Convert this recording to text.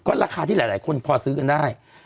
ก็ราคาที่หลายคนพอซื้อกันได้